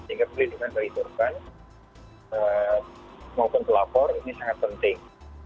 sehingga pelindungan dari korban maupun kelapor ini sangat penting